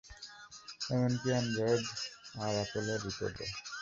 এমনকি এন্ড্রয়েড আর এপলের রিপোর্টও।